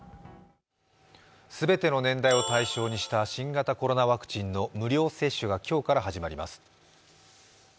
全ての年代を対象にした新型コロナワクチンの無料接種が今日から始まります。